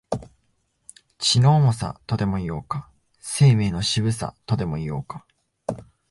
血の重さ、とでも言おうか、生命の渋さ、とでも言おうか、